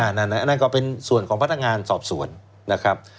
นั่นก็เป็นส่วนของพนักงานสอบสวนนะครับ